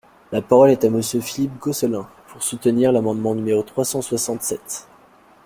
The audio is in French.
La parole est à Monsieur Philippe Gosselin, pour soutenir l’amendement numéro trois cent soixante-sept.